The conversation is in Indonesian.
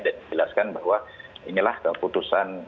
dan dijelaskan bahwa inilah keputusan